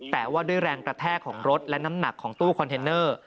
แต่ว่าด้วยแรงกระแทกของรถและน้ำหนักของตู้คอนเทนเนอร์